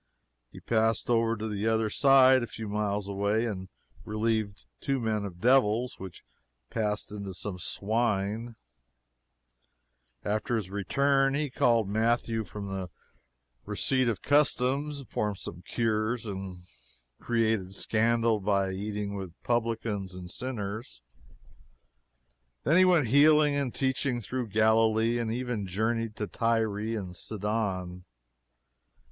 He passed over to the other side, a few miles away and relieved two men of devils, which passed into some swine. After his return he called Matthew from the receipt of customs, performed some cures, and created scandal by eating with publicans and sinners. Then he went healing and teaching through Galilee, and even journeyed to Tyre and Sidon.